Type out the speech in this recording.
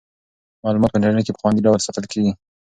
معلومات په انټرنیټ کې په خوندي ډول ساتل کیږي.